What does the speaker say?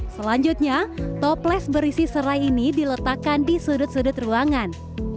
selanjutnya toples berisi serai ini diletakkan di sudut sudut ruangan